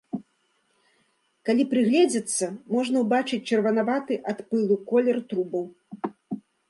Калі прыгледзецца, можна ўбачыць чырванаваты ад пылу колер трубаў.